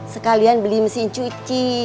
sekalian beli mesin cuci